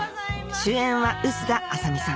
主演は臼田あさ美さん